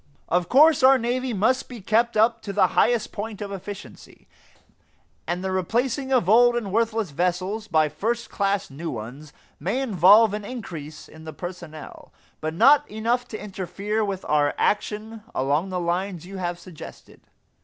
Of course our navy must be kept up to the highest point of efficiency, and the replacing of old and worthless vessels by first class new ones may involve an increase in the personnel; but not enough to interfere with our action along the lines you have suggested.